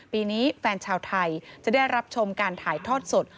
ปีนี้แฟนชาวไทยจะได้รับชมการถ่ายทอดสด